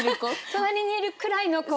隣にいるくらいの子？